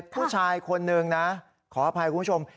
ผู้ชายคนนึงนะขออภัยคุณผู้ชม